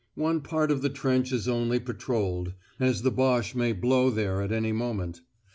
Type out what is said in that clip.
One part of the trench is only patrolled, as the Boche may 'blow' there at any moment.